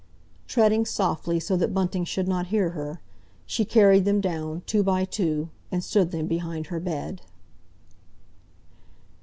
Treading softly, so that Bunting should not hear her, she carried them down, two by two, and stood them behind her bed.